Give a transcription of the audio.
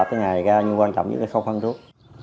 tới ngày ra như quan trọng nhất là không khăn thuốc